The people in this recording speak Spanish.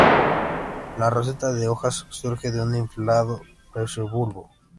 La roseta de hojas surge de un inflado pseudobulbo.